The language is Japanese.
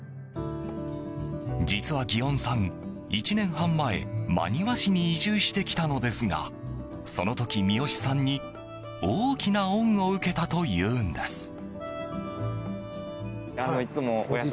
実は祇園さん、１年半前真庭市に移住してきたのですがその時、三好さんに大きな恩を受けたというんです。